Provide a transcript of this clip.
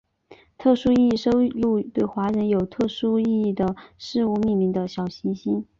特殊意义收录对华人有特殊意义的事物命名的小行星。